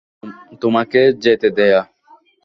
তোমাকে যেতে দেয়া?